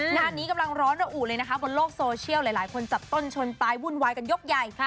งานนี้กำลังร้อนระอุเลยนะคะบนโลกโซเชียลหลายคนจับต้นชนตายวุ่นวายกันยกใหญ่